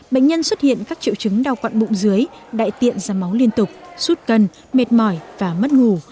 bệnh nhân xuất hiện các triệu chứng đau quặn bụng dưới đại tiện ra máu liên tục sút cân mệt mỏi và mất ngủ